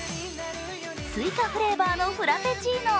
スイカフレーバーのフラペチーノ。